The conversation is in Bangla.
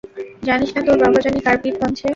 জানিস না তোর বাবা জানি কার পিঠ ভাংছে?